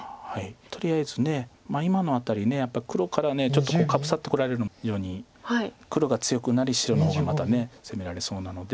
とりあえず今の辺りやっぱり黒からちょっとかぶさってこられるのも非常に黒が強くなり白の方がまた攻められそうなので。